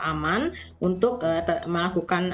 aman untuk melakukan